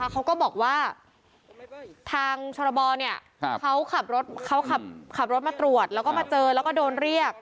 เขาก็บอกว่าทางชรบเขาขับรถมาตรวจแล้วก็มาเจอแล้วก็โดนเรียก